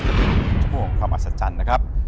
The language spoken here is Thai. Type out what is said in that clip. จะเป็น๑ชั่วโมงของความอัศจรรย์นะครับ